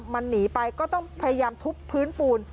มันหนีไปก็ต้องพยายามทุบพื้นปูน